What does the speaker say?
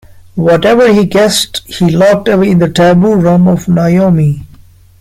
Whatever he guessed he locked away in the taboo room of Naomi.